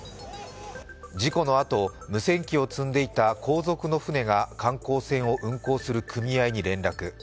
事故のあと、無線機を積んでいた後続の舟が観光船を運航する組合に連絡。